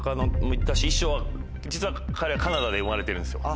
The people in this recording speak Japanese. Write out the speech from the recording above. いっしょうは実は彼はカナダで生まれてるんすよ。